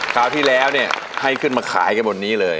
คราวที่แล้วเนี่ยให้ขึ้นมาขายกันบนนี้เลย